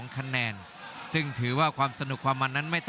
กรุงฝาพัดจินด้า